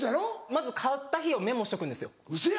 まず買った日をメモしとくんですよ。